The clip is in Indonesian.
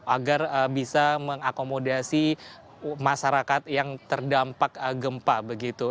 agar bisa mengakomodasi masyarakat yang terdampak gempa begitu